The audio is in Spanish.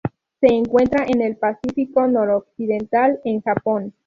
Se encuentra en el Pacífico noroccidental: en Japón.